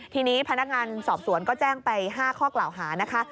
ทีนี้พนักงานสอบสวนก็แจ้งไป๕ข้อกล่าวหานะคะ